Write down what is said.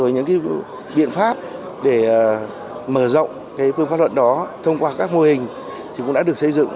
những biện pháp để mở rộng phương pháp luận đó thông qua các mô hình thì cũng đã được xây dựng